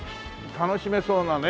楽しめそうなね